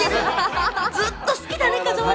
ずっと好きだね風